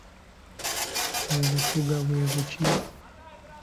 Obutugga bwe buki?